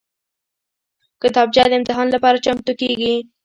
کتابچه د امتحان لپاره چمتو کېږي